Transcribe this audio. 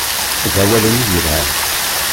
D awalen i yelhan.